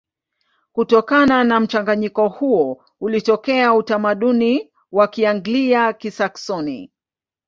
Kutokana na mchanganyiko huo ulitokea utamaduni wa Kianglia-Kisaksoni.